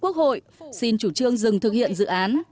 trong thời điểm báo cáo quốc hội xin chủ trương dừng thực hiện dự án